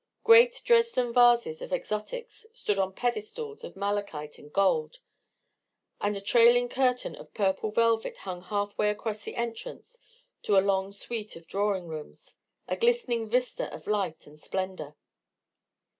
Great Dresden vases of exotics stood on pedestals of malachite and gold: and a trailing curtain of purple velvet hung half way across the entrance to a long suite of drawing rooms—a glistening vista of light and splendour.